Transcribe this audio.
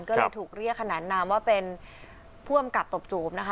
ก็เลยถูกเรียกขนานนามว่าเป็นผู้อำกับตบจูบนะคะ